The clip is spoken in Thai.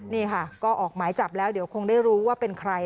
นี่ค่ะก็ออกหมายจับแล้วเดี๋ยวคงได้รู้ว่าเป็นใคร